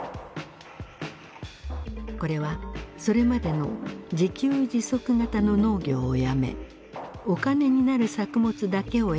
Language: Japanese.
これはそれまでの自給自足型の農業をやめお金になる作物だけを選び